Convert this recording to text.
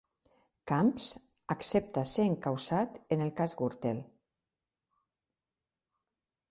Camps accepta ser encausat en el cas Gürtel